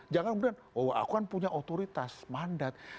jangan kemudian oh aku kan punya otoritas mandat